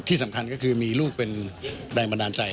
ที่สำคัญก็คือมีลูกเป็นแรงบันดาลใจ